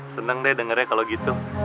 seneng deh dengarnya kalau gitu